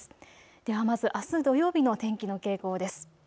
ではまず、あす土曜日の天気の傾向です。